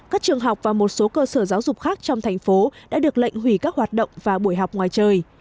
các trường học và một số cơ sở giáo dục khác trong thành phố đã được lệnh hủy các hoạt động và buổi học ngoài trời